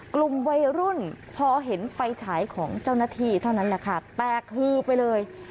กลุ่มวัยรุ่นพอเห็นไฟฉายของเจ้าหน้าที่เท่านั้นแหละค่ะแตกฮือไปเลย